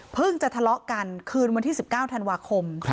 จะทะเลาะกันคืนวันที่๑๙ธันวาคม